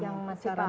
yang masih paham